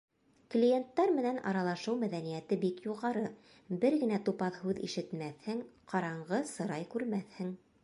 Клиенттар менән аралашыу мәҙәниәте бик юғары: бер генә тупаҫ һүҙ ишетмәҫһең, ҡараңғы сырай күрмәҫһең.